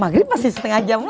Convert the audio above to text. maghrib pasti setengah jam lagi